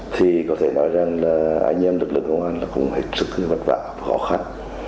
thì có thể nói rằng là anh em lực lượng công an là cùng hệ trực vật vạ khó khăn